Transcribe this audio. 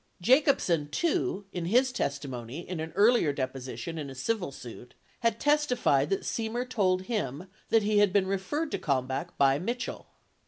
33 Jacobsen, too, in his testimony in an earlier deposition in a civil suit, had testified that Semer told him that he had been referred to Kalmbach by Mitchell.